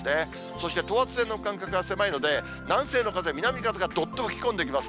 そして等圧線の間隔が狭いので、南西の風、南風がどっと吹き込んできます。